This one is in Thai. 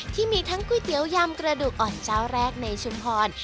ที่มีทั้งก๋วยเตี๋ยวยำกระดูกอ่อนเจ้าแรกในชุมพร